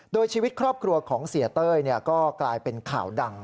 โดยชีวิตครอบครัวของเสียเต้ยก็กลายเป็นข่าวดัง